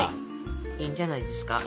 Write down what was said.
いいんじゃないですか。